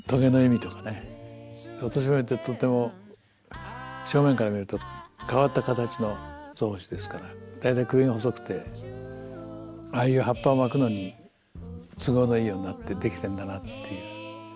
オトシブミってとっても正面から見ると変わった形のゾウムシですから大体首が細くてああいう葉っぱを巻くのに都合のいいようになってできてるんだなっていう。